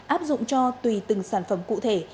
áp dụng cho tùy từng sản phẩm cụ thể